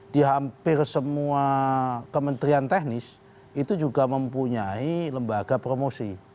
di hampir semua kementerian teknis itu juga mempunyai lembaga promosi